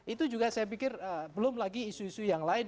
itu juga saya pikir belum lagi isu isu yang lain